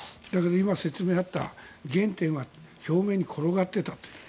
今、説明あった、原点は表面に転がっていたという。